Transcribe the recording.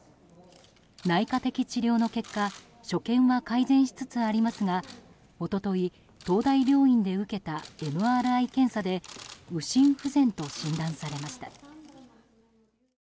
内科的治療の結果所見が改善しつつありますが一昨日、東大病院で受けたＭＲＩ検査で右心不全と診断されました。